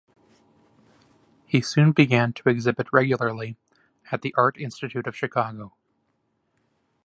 He soon began to exhibit regularly at the Art Institute of Chicago.